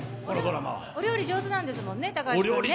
お料理上手なんですもんね、高橋君ね。